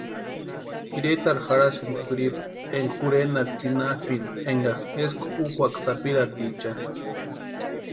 Iretarhu jarhasïnti kwíripu énka jurhenaaka tsinapʼini énkaksï eskwa úkwaka sapirhatichani.